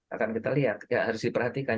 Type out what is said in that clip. akan kita lihat ya harus diperhatikan